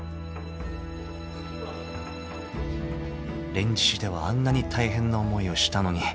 ［『連獅子』ではあんなに大変な思いをしたのに］